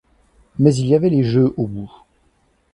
Mais il y avait les jeux au bout.